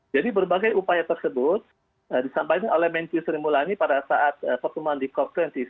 jadi berbagai upaya tersebut disampaikan oleh menki sri mulyani pada saat pertemuan di cop dua puluh enam